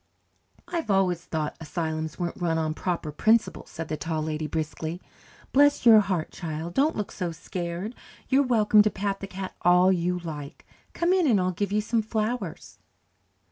"I've always thought asylums weren't run on proper principles," said the Tall Lady briskly. "Bless your heart, child, don't look so scared. You're welcome to pat the cat all you like. Come in and I'll give you some flowers."